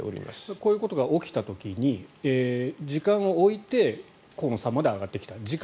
こういうことが起きた時に時間をおいて河野さんまで上がってきた。